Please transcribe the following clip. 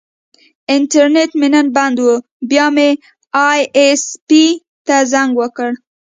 انټرنیټ مې نن بند و، بیا مې ائ ایس پي ته زنګ وکړ.